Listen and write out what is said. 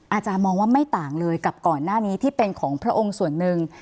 อาจารย์มองว่าไม่ต่างเลยกับก่อนหน้านี้ที่เป็นของพระองค์ส่วนหนึ่ง